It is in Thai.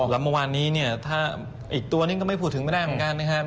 แล้วเมื่อวานนี้เนี่ยถ้าอีกตัวนึงก็ไม่พูดถึงไม่ได้เหมือนกันนะครับ